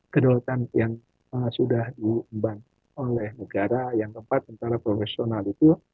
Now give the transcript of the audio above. kedaulatan yang sudah diemban oleh negara yang keempat tentara profesional itu